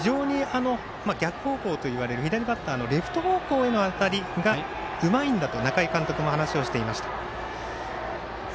逆方向といわれる左バッターのレフト方向への当たりがうまいんだと中井監督も話をしていました。